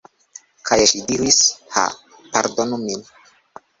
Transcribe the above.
Kaj ŝi diris: "Ha, pardonu min."